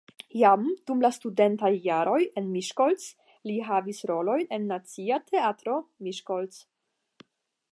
Jam dum la studentaj jaroj en Miskolc li havis rolojn en Nacia Teatro (Miskolc).